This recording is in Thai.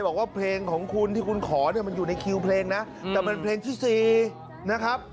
บอกว่าเพลงของคุณที่คุณขอเนี่ยมันอยู่ในคิวเพลงนะแต่มันเพลงที่๔นะครับ